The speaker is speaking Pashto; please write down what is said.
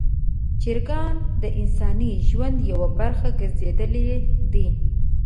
چرګان د انساني ژوند یوه برخه ګرځېدلي دي.